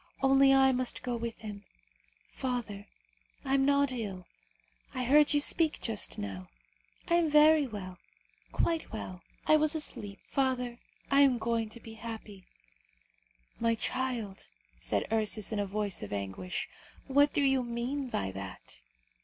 Only I must go with him. Father! I am not ill; I heard you speak just now. I am very well, quite well. I was asleep. Father, I am going to be happy." "My child," said Ursus in a voice of anguish, "what do you mean by that?"